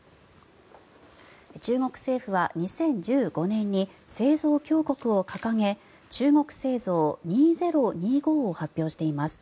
中国政府は２０１５年に製造強国を掲げ中国製造２０２５を発表しています。